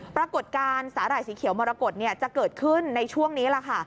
ปรากฏการณ์สาหร่ายสีเขียวมรกฏจะเกิดขึ้นในช่วงนี้ล่ะค่ะ